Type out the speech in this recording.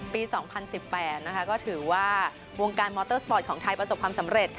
ปี๒๐๑๘ก็ถือว่าวงการมอเตอร์สปอร์ตของไทยประสบความสำเร็จ